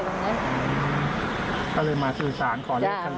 เขาเลยมาสื่อสารขอเร็วตัว